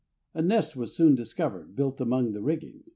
A nest was soon discovered built among the rigging.